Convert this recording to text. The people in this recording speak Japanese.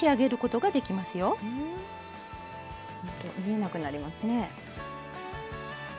ほんと見えなくなりますね。